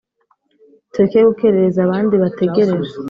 tureke gukerereza abandi bategereje !"